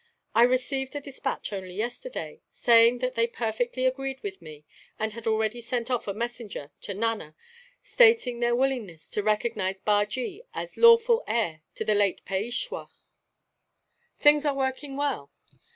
I received a despatch only yesterday, saying that they perfectly agreed with me, and had already sent off a messenger to Nana stating their willingness to recognize Bajee as lawful heir to the late Peishwa. "Things are working well.